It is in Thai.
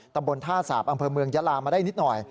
ตำบลท่าสาปอำเภอเมืองยาลามาได้นิดหน่อย